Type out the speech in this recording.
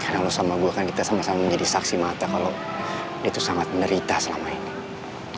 karena lo sama gue akan kita sama sama menjadi saksi mata kalau dia tuh sangat menderita selama ini